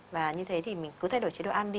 và như thế thì mình cứ thay đổi chế độ ăn đi